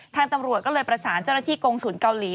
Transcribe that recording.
ทางตำรวจก็เลยประสานเจ้าหน้าที่กงศูนย์เกาหลี